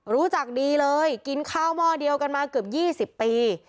รู้จักดีเลยกินข้าวหม้อเดียวกันมาเกือบ๒๐ปี